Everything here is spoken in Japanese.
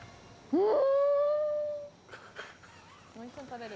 うん！